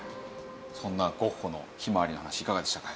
そんなゴッホの『ひまわり』の話いかがでしたか？